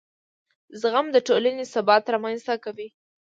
زغم د ټولنې ثبات رامنځته کوي.